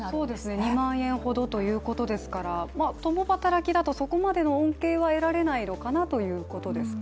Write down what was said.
２万円ほどと言うことですから共働きだとそこまでの恩恵は得られないのかなということですか？